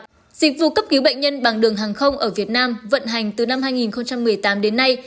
dịch vụ cấp cứu bệnh nhân bằng đường hàng không ở việt nam vận hành từ năm hai nghìn một mươi tám đến nay